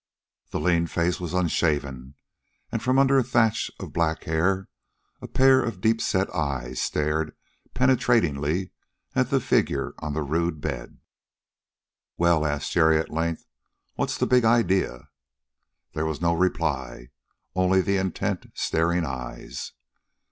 The lean face was unshaven, and from under a thatch of black hair a pair of deep set eyes stared penetratingly at the figure on the rude bed. "Well," asked Jerry, at length, "what's the big idea?" There was no reply. Only the intent, staring eyes.